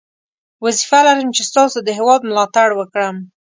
وظیفه لرم چې ستاسو د هیواد ملاتړ وکړم.